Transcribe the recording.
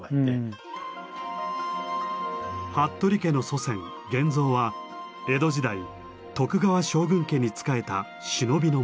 服部家の祖先源蔵は江戸時代徳川将軍家に仕えた忍びの者。